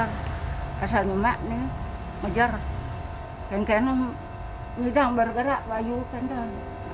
kesan emak nih ngejar kentenam bidang bergerak bayu kendali